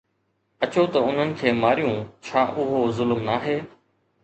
اچو ته انهن کي ماريون، ڇا اهو ظلم ناهي؟